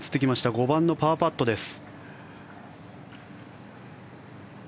５番のパーパットです。